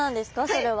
それは。